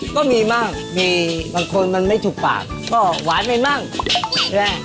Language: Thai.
ก็มีมั่งมีบางคนมันไม่ถูกปากก็หวานไปมั่งใช่ไหม